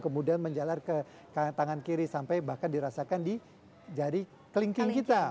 kemudian menjalar ke tangan kiri sampai bahkan dirasakan di jari kelingking kita